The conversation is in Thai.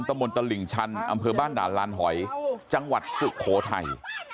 มนตลิ่งชันอำเภอบ้านด่านลานหอยจังหวัดสุโขทัย